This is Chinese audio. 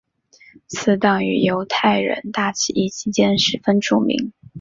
此党于犹太人大起义期间十分著名。